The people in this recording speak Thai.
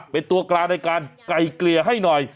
เป็นตัวกลางในการไกลเกลี่ยให้หน่อย